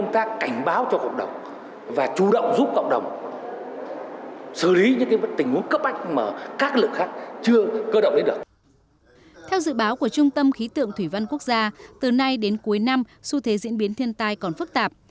theo dự báo của trung tâm khí tượng thủy văn quốc gia từ nay đến cuối năm xu thế diễn biến thiên tai còn phức tạp